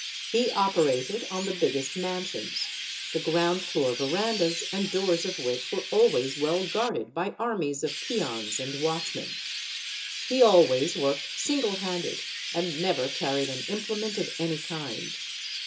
He operated on the biggest mansions, the ground floor verandahs and doors of which were always well guarded by armies of peons and watch men; he always worked single handed and never carried an implement of any kind.